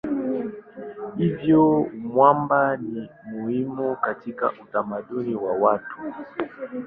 Hivyo mwamba ni muhimu katika utamaduni wa watu.